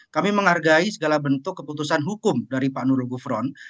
kami menghargai segala bentuk keputusan hukum dari pak nurul gufron